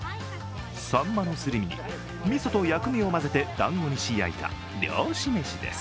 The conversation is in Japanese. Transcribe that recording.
さんまのすり身にみそと薬味を混ぜて団子にし、焼いた漁師飯です。